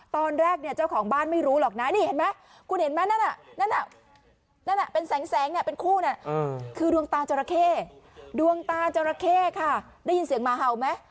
ตอนแรกเนี่ยเจ้าของบ้านไม่รู้หรอกนะนี่เห็นไหมคุณเห็นไหมนั่นน่ะนั่นเป็นแสงเนี่ยเป็นคู่น่ะคือดวงตาจราเข้ดวงตาจราเข้ค่ะได้ยินเสียงหมาเห่าไหม